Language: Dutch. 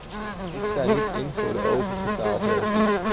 Ik sta niet in voor de overige taalversies.